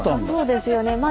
そうですよね。